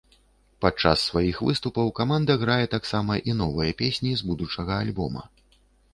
Падчас сваіх выступаў каманда грае таксама і новыя песні з будучага альбома.